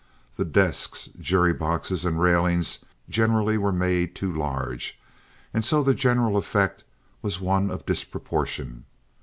The desks, jury boxes, and railings generally were made too large, and so the general effect was one of disproportion.